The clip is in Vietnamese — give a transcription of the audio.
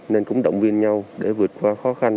nên cũng động viên nhau để vượt qua